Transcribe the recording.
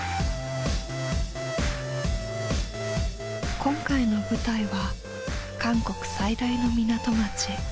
今回の舞台は韓国最大の港町釜山。